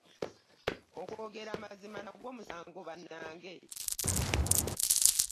Okwogera amazima nagwo musango bannange?